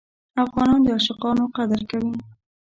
افغانان د عاشقانو قدر کوي.